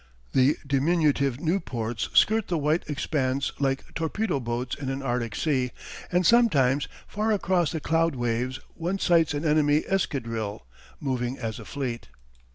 The diminutive Nieuports skirt the white expanse like torpedo boats in an arctic sea, and sometimes, far across the cloud waves, one sights an enemy escadrille, moving as a fleet.